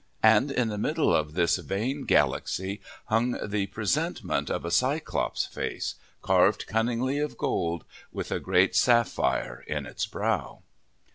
And in the middle of this vain galaxy hung the presentment of a Cyclops' face, carved cunningly of gold, with a great sapphire in its brow.